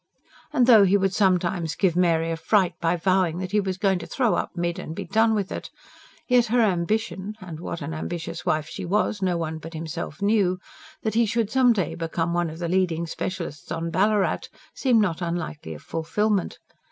And though he would sometimes give Mary a fright by vowing that he was going to "throw up mid. and be done with it," yet her ambition and what an ambitious wife she was, no one but himself knew that he should some day become one of the leading specialists on Ballarat, seemed not unlikely of fulfilment.